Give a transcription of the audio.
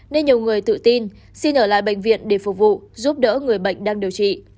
nên nhiều người tự tin xin ở lại bệnh viện để phục vụ giúp đỡ người bệnh đang điều trị